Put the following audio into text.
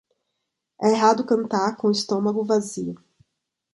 É errado cantar com o estômago vazio.